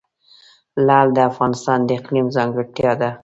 لعل د افغانستان د اقلیم ځانګړتیا ده.